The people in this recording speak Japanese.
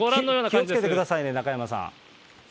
気をつけてくださいね、中山さん。